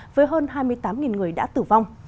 với hơn hai mươi tám người đã tử vong